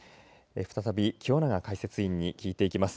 再び清永解説員に聞いていきます。